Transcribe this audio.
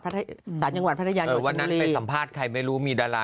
สารจังหวัดพัทยาอยู่วันนั้นไปสัมภาษณ์ใครไม่รู้มีดารา